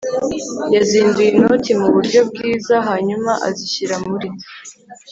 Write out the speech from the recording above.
yazinduye inoti muburyo bwiza hanyuma azishyira muri